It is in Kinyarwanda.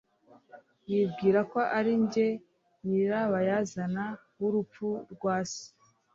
Yibwira ko ari njye nyirabayazana w'urupfu rwa se.